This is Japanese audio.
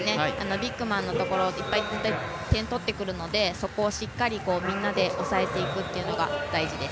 ビッグマンのところいっぱい点を取ってくるのでそこをしっかりみんなで抑えていくというのが大事です。